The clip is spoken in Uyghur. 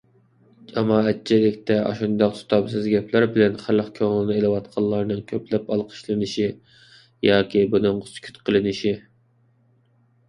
جامائەتچىلىكتە ئاشۇنداق تۇتامسىز گەپلەر بىلەن خەلق كۆڭلىنى ئېلىۋاتقانلارنىڭ كۆپلەپ ئالقىشلىنىشى ياكى بۇنىڭغا سۈكۈت قىلىنىشى.